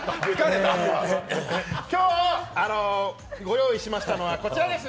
今日ご用意しましたのはこちらです。